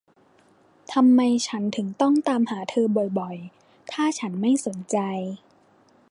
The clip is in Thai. ทำไมฉันถึงต้องตามหาเธอบ่อย ๆ ถ้าฉันไม่สนใจ